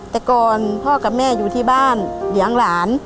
แต่ก่อนพ่อกับแม่อยู่ที่บ้านเลี้ยงหลาน